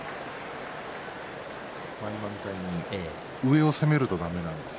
今みたいに上を攻めるとだめなんです。